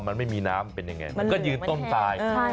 มันไม่มีน้ำเป็นยังไงมันก็ยืนต้นตาย